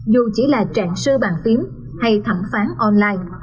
dù chỉ là trạng sư bàn tiếng hay thẩm phán online